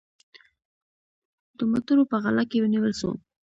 د موټروپه غلا کې ونیول سو